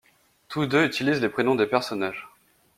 Tous deux utilisent les prénoms des personnages.